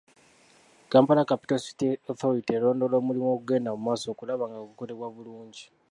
Kampala Capital City Authority erondoola omulimu ogugenda mu maaso okulaba nga gukolebwa bulungi.